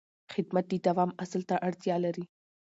خدمت د دوام اصل ته اړتیا لري.